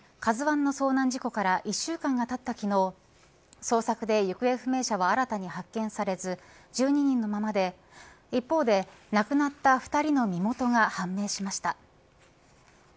ＫＡＺＵ１の遭難事故から１週間が経った昨日捜索で行方不明者は新たに発見されず１２人のままで一方で亡くなった２人の身元が判明しました。